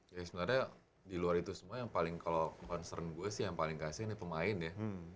ya sebenarnya di luar itu semua yang paling kalau concern gue sih yang paling kasih ini pemain ya